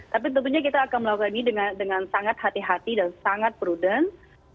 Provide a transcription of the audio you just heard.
tapi tentunya kita akan melakukan ini dengan sangat hati hati dan sangat prudent